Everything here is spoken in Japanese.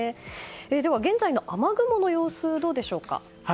では、現在の雨雲の様子どうでしょうか。